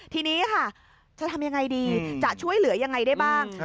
ทีนี้ค่ะจะทำยังไงดีจะช่วยเหลือยังไงได้บ้าง